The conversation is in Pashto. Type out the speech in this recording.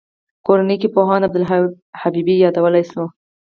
کورنیو کې پوهاند عبدالحی حبیبي یادولای شو.